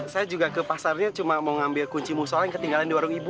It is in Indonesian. saya juga ke pasarnya cuma mau ngambil kunci musola yang ketinggalan di warung ibu